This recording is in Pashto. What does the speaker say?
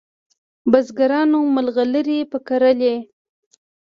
بزګرانو مرغلري په کرلې